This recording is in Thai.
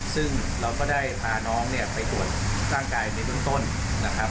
ซึ่งเราก็ได้พาน้องไปกวนร่างกายในต้นนะครับ